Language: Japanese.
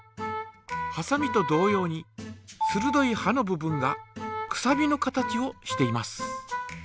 はさみと同様にするどいはの部分がくさびの形をしています。